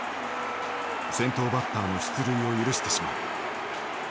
先頭バッターの出塁を許してしまう。